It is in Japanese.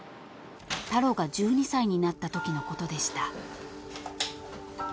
［タロが１２歳になったときのことでした］